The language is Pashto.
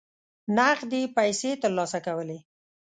نغدي پیسې ترلاسه کولې.